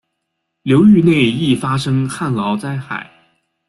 流域内易发生旱涝灾害。